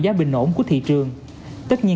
giá bình ổn của thị trường tất nhiên